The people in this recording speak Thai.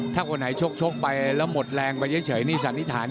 ถ้าคนไหนชกไปแล้วหมดแรงไปเฉยนี่สันนิษฐาน